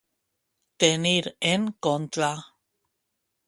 Tenir en contra.